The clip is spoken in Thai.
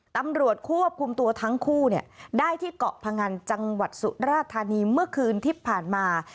ตำรวจควบคุมตัวทั้งคู่ได้ที่เกาะพงันจังหวัดสุราธานีเมื่อคืนที่ผ่านมา